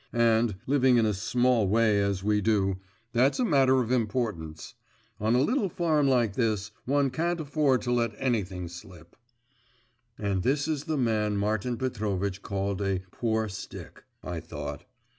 And, living in a small way as we do, that's a matter of importance. On a little farm like ours, one can't afford to let anything slip.' 'And this is the man Martin Petrovitch called a "poor stick,"' I thought.